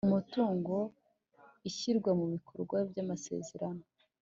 Umutungo ishyirwa mu bikorwa ry amasezerano